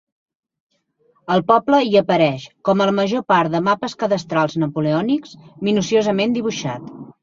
El poble hi apareix, com a la major part de mapes cadastrals napoleònics, minuciosament dibuixat.